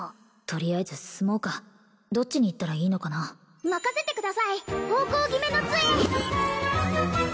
とりあえず進もうかどっちに行ったらいいのかな任せてください方向決めの杖！